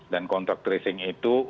dan kontak tracing itu untuk